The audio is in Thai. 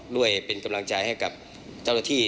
ด้วยเป็นกำลังใจให้กับเจ้าหน้าที่